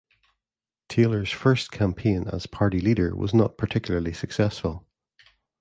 Taylor's first campaign as party leader was not particularly successful.